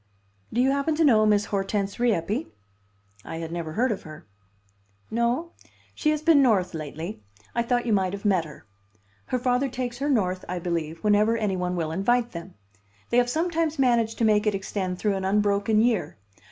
Do you happen to know Miss Hortense Rieppe?" I had never heard of her. "No? She has been North lately. I thought you might have met her. Her father takes her North, I believe, whenever any one will invite them. They have sometimes managed to make it extend through an unbroken year.